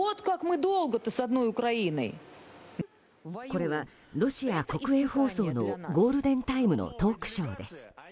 これはロシア国営放送のゴールデンタイムのトークショーです。